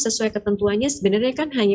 sesuai ketentuannya sebenarnya kan hanya